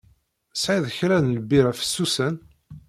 Tesɛiḍ kra n lbira fessusen?